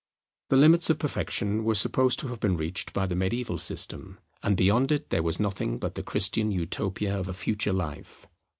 The limits of perfection were supposed to have been reached by the mediaeval system, and beyond it there was nothing but the Christian Utopia of a future life.